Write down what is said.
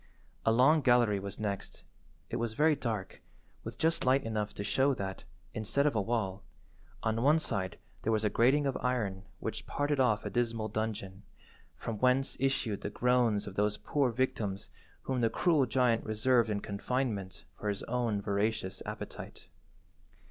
A long gallery was next. It was very dark, with just light enough to show that, instead of a wall, on one side there was a grating of iron which parted off a dismal dungeon, from whence issued the groans of those poor victims whom the cruel giant reserved in confinement for his own voracious appetite.